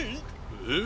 えっ？